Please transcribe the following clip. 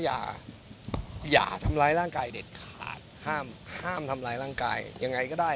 อย่าอย่าทำร้ายร่างกายเด็ดขาดห้ามห้ามทำร้ายร่างกายยังไงก็ได้